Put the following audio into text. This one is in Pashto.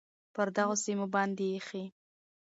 پر دغو سیمو باندې ایښی،